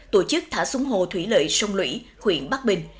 tổ chức thả xuống hồ thủy lợi sông lũy huyện bắc bình